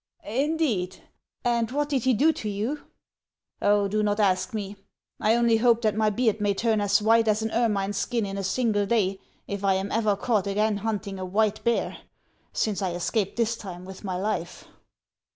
" Indeed ! and what did he do to you ?"" Oh, do not ask me. I only hope that my beard may turn as white as an ermine's skin in a single day if I am o */ ever caught again hunting a white bear, since I escaped this time with my life."